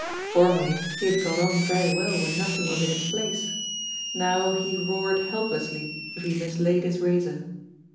Formerly he had got on very well when nothing was in its place. Now he roared helplessly if he mislaid his razor.